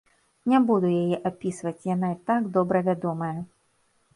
Не буду яе апісваць, яна і так добра вядомая.